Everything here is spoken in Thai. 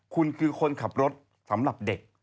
คุณคือคนขับรถสำหรับเด็ก